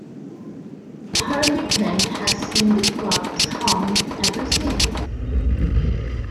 Harlyckan has been the club's home ever since.